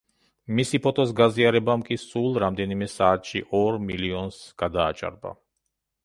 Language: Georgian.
მისი ფოტოს გაზიარებამ კი სულ რამდენიმე საათში ორ მილიონს გადააჭარბა.